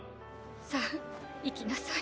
さ行きなさい。